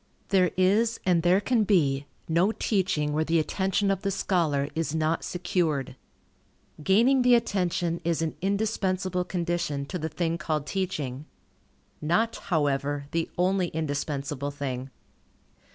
There is, and there can be, no teaching, where the attention of the scholar is not secured. Gaining the attention is an indispensable condition to the thing called teaching. Not, however, the only indispensable thing.